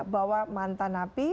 bahwa mantan api